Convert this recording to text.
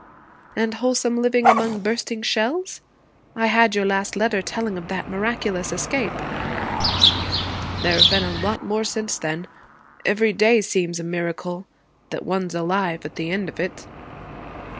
'And wholesome living among bursting shells? I had your last letter telling of that miraculous escape.' 'There have been a lot more since then. Every day seems a miracle that one's alive at the end of it.'